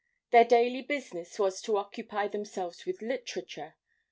Their daily business was to occupy themselves with literature.